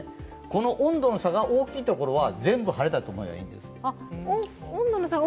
この温度の差が大きいところは全部晴れだと思えばいいんですよ。